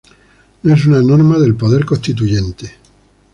No es una norma del poder constituyente.